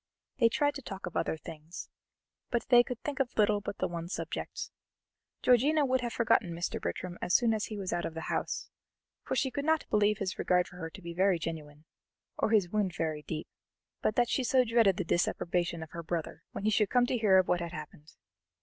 They tried to talk of other things, but they could think of little but the one subject. Georgiana would have forgotten Mr. Bertram as soon as he was out of the house, for she could not believe his regard for her to be very genuine, or his wound very deep, but that she so dreaded the disapprobation of her brother, when he should come to hear of what had happened.